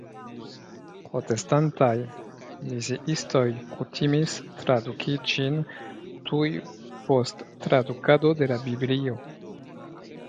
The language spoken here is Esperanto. Protestantaj misiistoj kutimis traduki ĝin tuj post tradukado de la Biblio.